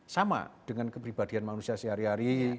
sama dengan kepribadian manusia sehari hari